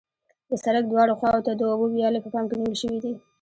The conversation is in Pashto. د سرک دواړو خواو ته د اوبو ویالې په پام کې نیول شوې دي